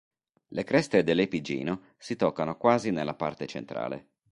Le "creste" dell'epigino si toccano quasi nella parte centrale.